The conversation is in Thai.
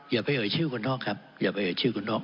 อย่าไปเอ่ยชื่อคนนอกครับอย่าไปเอ่ยชื่อคนนอก